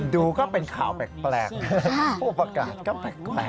ก็เป็นข่าวแปลกผู้ประกาศก็แปลก